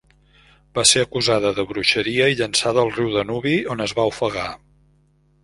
Va ser acusada de bruixeria i llançada al riu Danubi on es va ofegar.